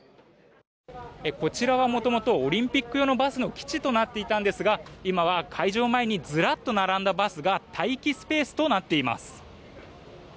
こちらはもともとオリンピック用のバスの基地となっていたんですが今は会場前にずらっと並んだバスが待機スペースとなっています。